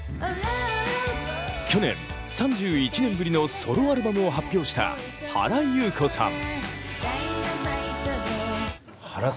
去年３１年ぶりのソロアルバムを発表した原由子さん。